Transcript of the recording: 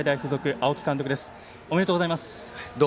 ありがとうございます。